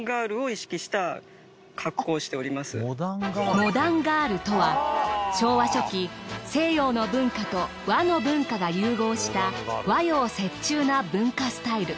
モダンガールとは昭和初期西洋の文化と和の文化が融合した和洋折衷な文化スタイル。